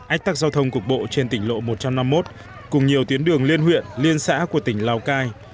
ách tắc giao thông cục bộ trên tỉnh lộ một trăm năm mươi một cùng nhiều tuyến đường liên huyện liên xã của tỉnh lào cai